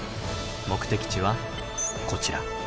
目的地はこちら。